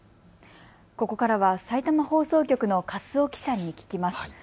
ここからは、さいたま放送局の粕尾記者に聞きます。